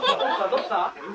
どうした？